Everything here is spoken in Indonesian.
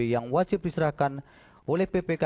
yang wajib diserahkan oleh ppk